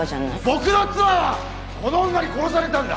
僕の妻はこの女に殺されたんだ！